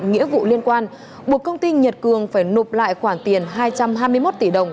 nghĩa vụ liên quan buộc công ty nhật cường phải nộp lại khoản tiền hai trăm hai mươi một tỷ đồng